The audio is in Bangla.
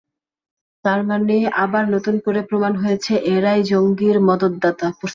তার মানে আবার নতুন করে প্রমাণ হয়েছে, এঁরাই জঙ্গির মদদদাতা, প্রশ্রয়দাতা।